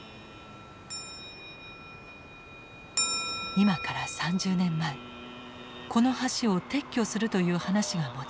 今から３０年前この橋を撤去するという話が持ち上がった。